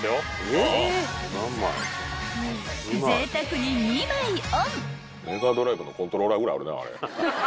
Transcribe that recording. ［ぜいたくに２枚オン］